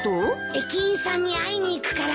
駅員さんに会いに行くから。